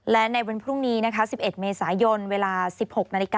และในวันพรุ่งนี้๑๑เมษายนเวลา๑๖น